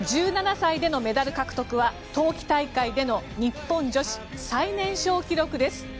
１７歳でのメダル獲得は冬季大会での日本女子最年少記録です。